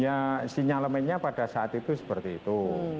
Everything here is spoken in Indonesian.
ya sinyalemennya pada saat itu seperti itu